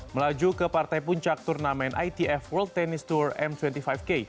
melaju ke partai puncak turnamen itf world tennis tour m dua puluh lima k